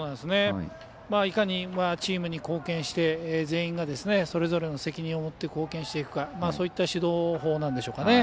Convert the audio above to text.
いかにチームに貢献して全員がそれぞれの責任を持って貢献していくかという指導法なんですかね。